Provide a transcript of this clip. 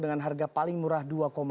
dengan harga paling murah dua dua